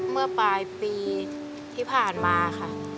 เมื่อปลายปีที่ผ่านมาค่ะ